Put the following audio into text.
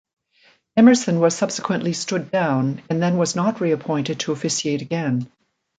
Emerson was subsequently stood down, and then was not reappointed to officiate again.